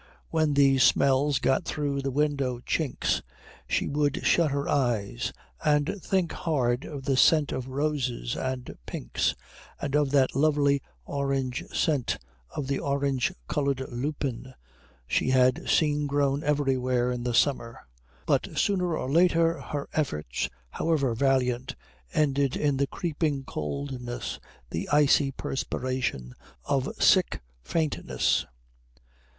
When these smells got through the window chinks she would shut her eyes and think hard of the scent of roses and pinks, and of that lovely orange scent of the orange coloured lupin she had seen grown everywhere in the summer; but sooner or later her efforts, however valiant, ended in the creeping coldness, the icy perspiration, of sick faintness.